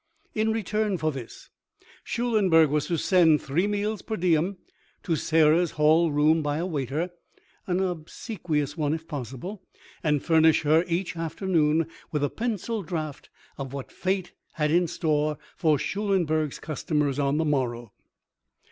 In return for this Schulenberg was to send three meals per diem to Sarah's hall room by a waiter—an obsequious one if possible—and furnish her each afternoon with a pencil draft of what Fate had in store for Schulenberg's customers on the morrow.